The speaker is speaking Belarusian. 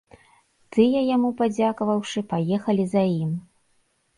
Тыя, яму падзякаваўшы, паехалі за ім.